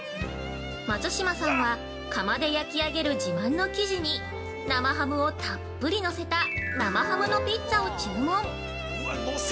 松嶋さんは窯で焼き上げる自慢の生地に、生ハムをたっぷりのせた生ハムのピッツアを注文！